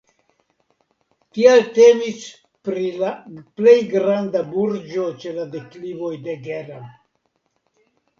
Tial temis pri la plej granda burgo ĉe la deklivoj de Gera.